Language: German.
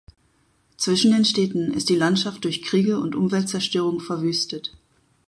Zwischen den Städten ist die Landschaft durch Kriege und Umweltzerstörung verwüstet.